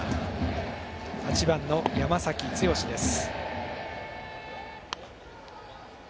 ８番の山崎剛です。